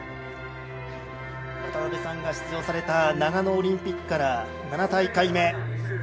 渡辺さんが出場された長野オリンピックから７大会目。